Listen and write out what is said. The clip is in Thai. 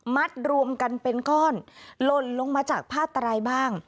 รวมกันเป็นก้อนหล่นลงมาจากผ้าตรายบ้าง